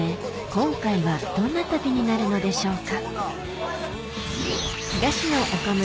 今回はどんな旅になるのでしょうか？